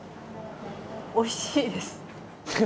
おいしいです。